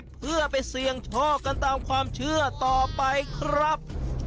เพื่อไปเสี่ยงโชคกันตามความเชื่อต่อไปครับ